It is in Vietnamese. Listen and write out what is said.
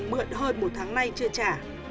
mượn hơn một tháng nay chưa trả